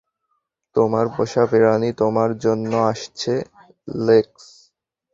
তোমার পোষাপ্রাণী তোমার জন্য আসছে, লেক্স।